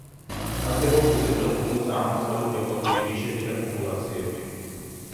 არსებობს, უპირველეს ყოვლისა, აღმოსავლეთევროპული ჯიშები და პოპულაციები.